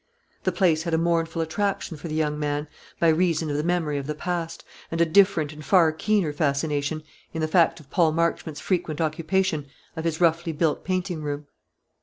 The place had a mournful attraction for the young man, by reason of the memory of the past, and a different and far keener fascination in the fact of Paul Marchmont's frequent occupation of his roughly built painting room.